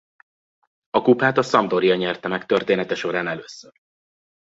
A kupát az Sampdoria nyerte meg története során először.